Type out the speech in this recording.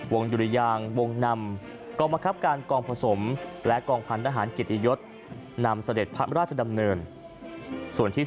๒วงยุริยางวงนำกรองมะคับการกองผสมและกองพันธนาหารกิจยศนำเสด็จพระราชดำเนิน